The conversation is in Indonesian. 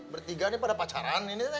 bertiga ini pada pacaran ini te